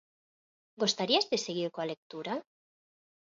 Gostarías de seguir coa lectura?